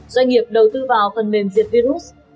doanh nghiệp đầu tư vào phần mềm diệt virus